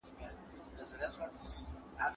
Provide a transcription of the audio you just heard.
تخلیقي ادب ته وده ورکړئ.